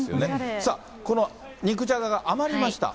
さあ、この肉じゃがが余りました。